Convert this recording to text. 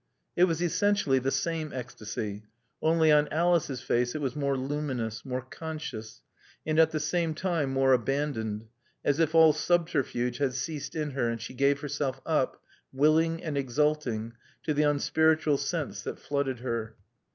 It was essentially the same ecstasy; only, on Alice's face it was more luminous, more conscious, and at the same time more abandoned, as if all subterfuge had ceased in her and she gave herself up, willing and exulting, to the unspiritual sense that flooded her.